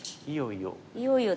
いよいよ。